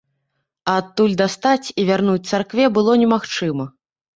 А адтуль дастаць і вярнуць царкве было немагчыма.